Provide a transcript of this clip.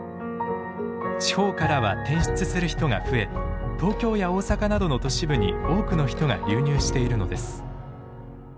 地方からは転出する人が増え東京や大阪などの都市部に多くの人が流入しているのです。